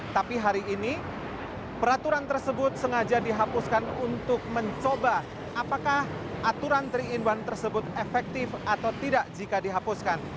tapi hari ini peraturan tersebut sengaja dihapuskan untuk mencoba apakah aturan tiga in satu tersebut efektif atau tidak jika dihapuskan